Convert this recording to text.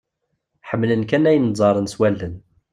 Ḥemmlen kan ayen ẓẓaren s wallen.